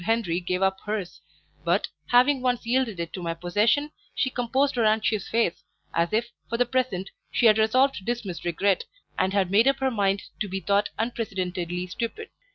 Henri gave up hers, but, having once yielded it to my possession, she composed her anxious face, as if, for the present she had resolved to dismiss regret, and had made up her mind to be thought unprecedentedly stupid.